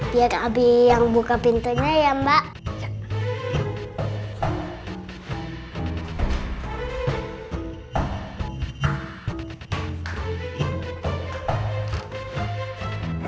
biar habis yang buka pintunya ya mbak